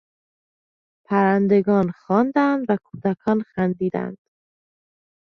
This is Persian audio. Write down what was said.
پرندگان خواندند و کودکان خندیدند.